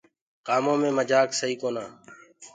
ڪآمو مي مجآڪ سئي ڪونآ۔